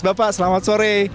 bapak selamat sore